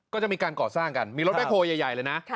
ก็จะมีการก่อสร้างกันมีรถแคลใหญ่เลยนะ